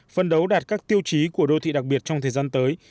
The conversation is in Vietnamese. phân đấu đạt các tiêu chí của đô thị đặc biệt trong thời gian tới